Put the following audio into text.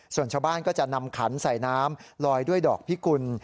ส่วนชาวบ้านก็จะนำขันใส่น้ำลอยด้วยดอกพิกุล